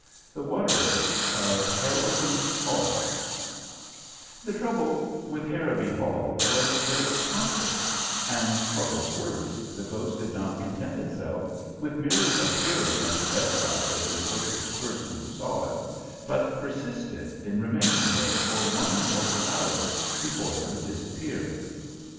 THE WATER GHOST OF HARROWBY HALL The trouble with Harrowby Hall was that it was haunted, and, what was worse, the ghost did not content itself with merely appearing at the bedside of the afflicted person who saw it, but persisted in remaining there for one mortal hour before it would disappear.